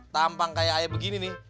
tampang kayak ayo begini nih